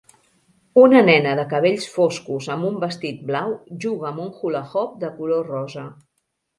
Una nena de cabells foscos amb un vestit blau juga amb un hula hoop de color rosa.